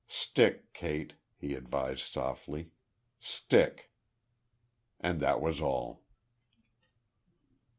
"Stick, Kate," he advised, softly. "Stick." And that was all.